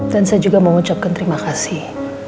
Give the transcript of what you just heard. dan saya juga mau ucapkan terima kasih